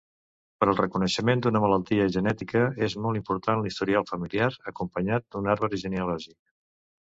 Per al reconeixement d'una malaltia genètica és molt important l'historial familiar acompanyat d'un arbre genealògic.